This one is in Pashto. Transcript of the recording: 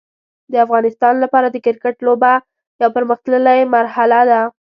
د افغانستان لپاره د کرکټ لوبه یو پرمختللی مرحله ده.